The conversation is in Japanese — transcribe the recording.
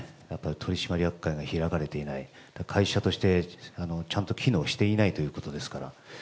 取締役会開かれていない、会社としてちゃんと機能していないということですから。